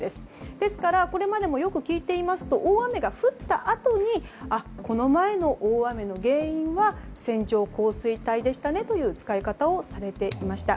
ですから、これまでもよく聞いていますと大雨が降ったあとにこの前の大雨の原因は線状降水帯でしたねという使い方をされていました。